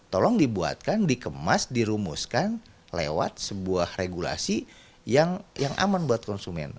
tolong dibuatkan dikemas dirumuskan lewat sebuah regulasi yang aman buat konsumen